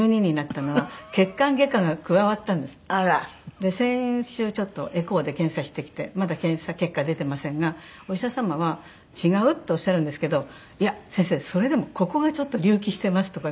で先週ちょっとエコーで検査してきてまだ検査結果出てませんがお医者様は「違う」とおっしゃるんですけど「いや先生それでもここがちょっと隆起してます」とかね